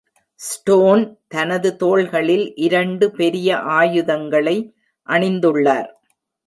Stone தனது தோள்களில் இரண்டு பெரிய ஆயுதங்களை அணிந்துள்ளார்.